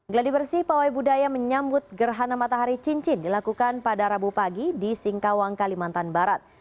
geladi bersih pawai budaya menyambut gerhana matahari cincin dilakukan pada rabu pagi di singkawang kalimantan barat